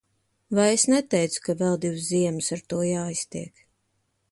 Vai es neteicu, ka vēl divas ziemas ar to jāiztiek.